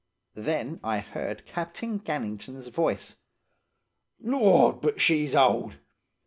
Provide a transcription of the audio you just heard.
Then I heard Captain Gannington's voice: "'Lord, but she s old!